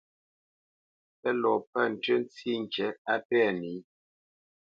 Pə́ lɔ pə̂ ntʉ́ ntsî ŋkǐ á pɛ̂ nǐ.